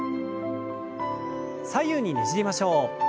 左右にねじりましょう。